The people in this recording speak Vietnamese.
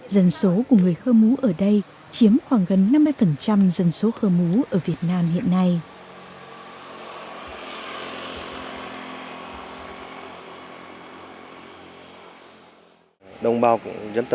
dân số của người khơ mú ở đây chỉ là một số